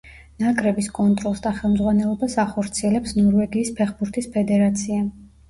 ნაკრების კონტროლს და ხელმძღვანელობას ახორციელებს ნორვეგიის ფეხბურთის ფედერაცია.